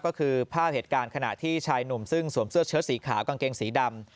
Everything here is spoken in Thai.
ก็คือภาพเหตุการณ์ขณะที่ชายหนุ่มซึ่งสวมเสื้อเชิดสีขาวกางเกงสีดำ